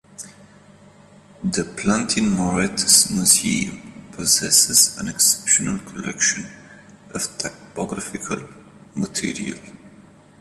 The Plantin-Moretus Museum possesses an exceptional collection of typographical material.